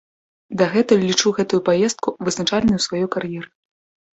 Дагэтуль лічу гэтую паездку вызначальнай у сваёй кар'еры.